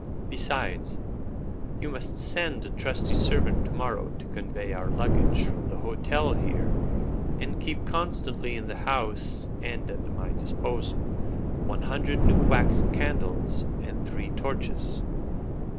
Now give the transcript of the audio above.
Besides, you must send a trusty servant to morrow to convey our luggage from the hotel here, and keep constantly in the house and at my disposal one hundred new wax candles and three torches."